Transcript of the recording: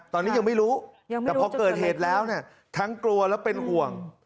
ตอนนี้ยังไม่รู้แต่พอเกิดเหตุแล้วเนี่ยทั้งกลัวและเป็นห่วง